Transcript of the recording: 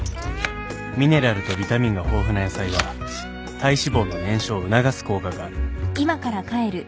ミネラルとビタミンが豊富な野菜は体脂肪の燃焼を促す効果がある